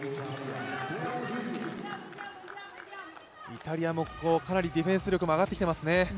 イタリアもかなりディフェンス力も上がってきていますね。